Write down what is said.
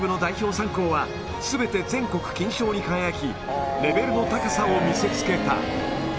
３校は、すべて全国金賞に輝き、レベルの高さを見せつけた。